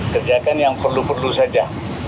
kegiatan yang perlu perlu saja